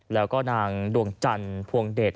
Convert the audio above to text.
แล้วก็นางดวงจันทร์พวงเดช